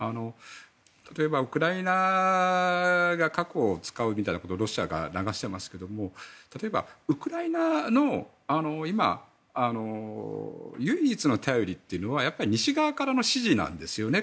例えばウクライナが核を使うみたいなことをロシアが流していますが例えば、ウクライナの今唯一の頼りというのは西側からの支持なんですよね。